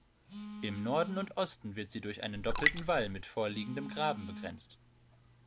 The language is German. Im Norden und Osten wird sie durch einen doppelten Wall mit vorliegendem Graben begrenzt.